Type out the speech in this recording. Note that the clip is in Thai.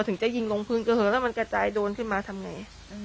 ถึงจะยิงลงพื้นกระเหอแล้วมันกระจายโดนขึ้นมาทำไง